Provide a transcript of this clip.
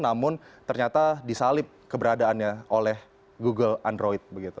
namun ternyata disalib keberadaannya oleh google android